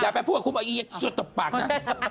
อย่าไปพูดกับคุณบ้นดำสุดตบปากน่ะ